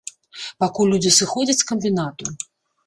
Пакуль людзі сыходзяць з камбінату.